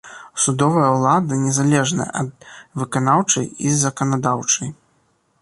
Судовая ўлада незалежная ад выканаўчай і заканадаўчай.